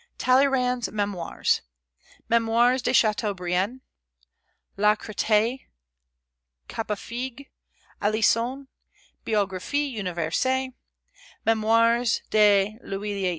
Talleyrand's Memoirs, Mémoires de Chateaubriand; Lacretelle, Capefigue, Alison; Biographie Universelle, Mémoires de Louis XVIII.